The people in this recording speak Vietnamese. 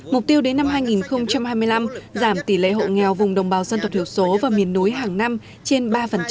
mục tiêu đến năm hai nghìn hai mươi năm giảm tỷ lệ hộ nghèo vùng đồng bào dân tộc thiểu số và miền núi hàng năm trên ba